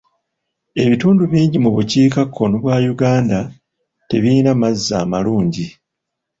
Ebitundu bingi mu bukiikakkono bwa Uganda tebiyina mazzi amalungi.